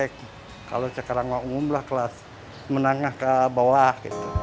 kalau sekarang umumlah kelas menangah ke bawah